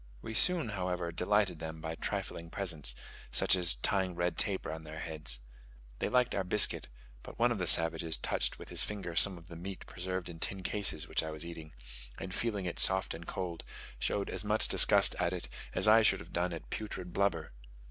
We soon, however, delighted them by trifling presents, such as tying red tape round their heads. They liked our biscuit: but one of the savages touched with his finger some of the meat preserved in tin cases which I was eating, and feeling it soft and cold, showed as much disgust at it, as I should have done at putrid blubber.